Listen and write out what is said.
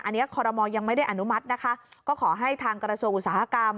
อันนี้คอรมอลยังไม่ได้อนุมัตินะคะก็ขอให้ทางกระทรวงอุตสาหกรรม